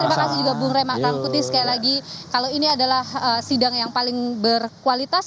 terima kasih juga bung rema rangkuti sekali lagi kalau ini adalah sidang yang paling berkualitas